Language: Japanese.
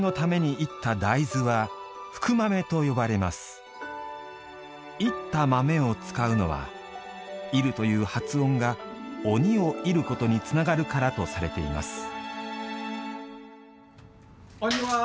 煎った豆を使うのは「煎る」という発音が鬼を「射る」ことにつながるからとされています。